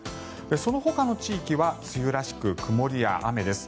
そのほかの地域は梅雨らしく曇りや雨です。